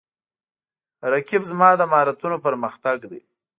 رقیب زما د مهارتونو پر مختګ دی